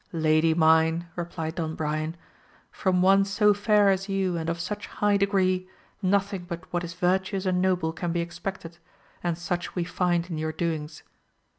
Lady mine, replied Don Brian, from one so fair as you and of such high degree, no thing but what is virtuous and noble can be expected, and such we find in your doings.